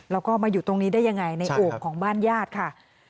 แล้วก็มาอยู่ตรงนี้ได้ยังไงในโอ่งของบ้านญาติค่ะ